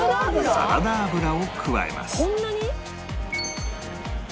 サラダ油を加えます